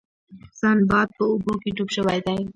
سنباد په اوبو کې ډوب شوی دی.